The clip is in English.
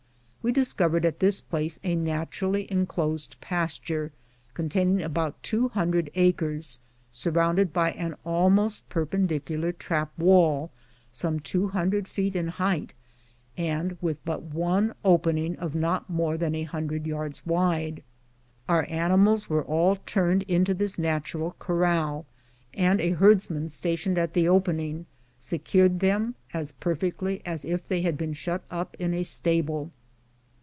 We discovered at this place a naturally inclosed pasture, containing about two hundred acres, surrounded by an almost perpendicular trap wall some two hundred feet in height, and with but one opening of not more than a hundred yards wide. Our ani mals were all turned into this natural corral^ and a herds DIGGER INDIANS. 229 man stationed at the opening secured them as perfectly as if they had been shut up in a stable.